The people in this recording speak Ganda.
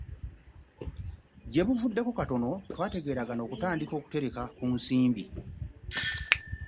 Gye buvuddeko katono twategeeragana okutandika okutereka ku nsimbi.